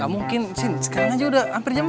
gak mungkin sindi sekarang aja udah hampir jam enam